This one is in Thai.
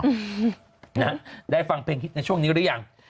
อืมนะฮะได้ฟังเพลงฮิตในช่วงนี้หรือยัง